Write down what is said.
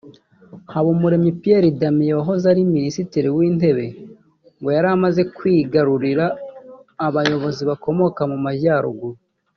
Habumuremyi Pierre Damien wahoze ari Minisitiri w’Intebe ngo yari amaze kwigarurira abayobozi bakomoka mu Majyaruguru